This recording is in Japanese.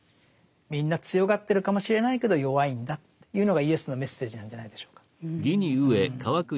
みんな強がってるかもしれないけど弱いんだというのがイエスのメッセージなんじゃないでしょうか。